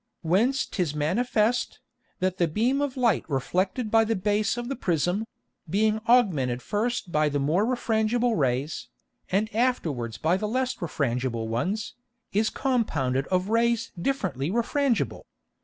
Whence 'tis manifest, that the Beam of Light reflected by the Base of the Prism, being augmented first by the more refrangible Rays, and afterwards by the less refrangible ones, is compounded of Rays differently refrangible.